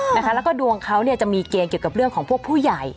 แล้วก็ดวงเขาเนี่ยจะมีเกณฑ์เกี่ยวกับเรื่องของพวกผู้ใหญ่